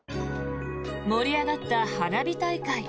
盛り上がった花火大会。